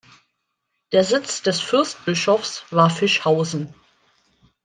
Der Sitz des Fürstbischofs war Fischhausen.